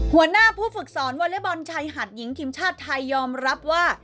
หัวหน้าผู้ฝึกสอนวอเล็กบอลชายหาดหญิงทีมชาติไทยยอมรับว่า